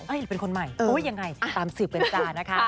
เป็นคนใหม่ยังไงตามสืบกันจ้านะคะ